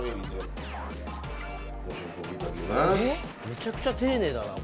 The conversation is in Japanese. めちゃくちゃ丁寧だな